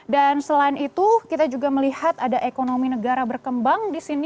dan selain itu kita juga melihat ada ekonomi negara berkembang